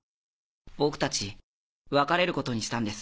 ボクたち別れることにしたんです。